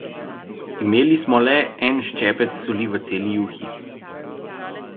Imeli smo le en ščepec soli v celi juhi.